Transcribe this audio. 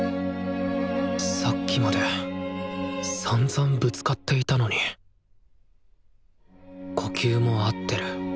さっきまでさんざんぶつかっていたのに呼吸も合ってる。